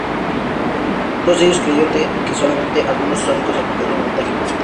Todos ellos creyeron unánimemente que solamente algunos sádicos aplicarían el voltaje máximo.